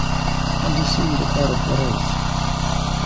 Вам зусім не да твару хварэць.